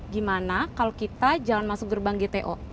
gimana kalau kita jalan masuk gerbang gto